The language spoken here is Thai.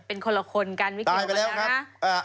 เป็นคนละคนกันวิธีบอกนะครับตายไปแล้วครับ